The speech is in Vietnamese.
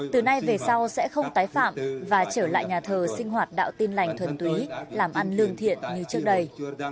từ nay về sau sẽ không tái phạm và trở lại nhà thờ sinh hoạt đạo tin lành thuần túy làm ăn lương thiện như trước đây